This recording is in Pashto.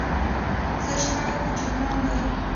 زه شپږ کوچنيان لرم